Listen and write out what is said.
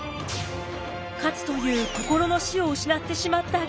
勝という心の師を失ってしまった龍馬。